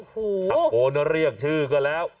ตะโกนเรียกชื่อก็แล้ว